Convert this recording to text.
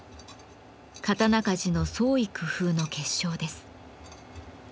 刀鍛冶の創意工夫の結晶です。